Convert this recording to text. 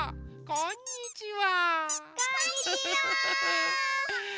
こんにちは。